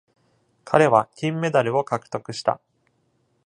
彼は金メダルを獲得した。